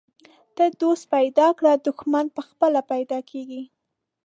ته دوست پیدا کړه، دښمن پخپله پیدا کیږي.